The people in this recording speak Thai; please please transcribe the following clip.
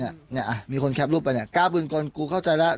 เนี้ยเนี้ยอ่ะมีคนแคปรูปป่ะเนี้ยก้าวบุญกลกูเข้าใจแล้ว